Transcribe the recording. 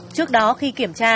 trước đó khi kiểm tra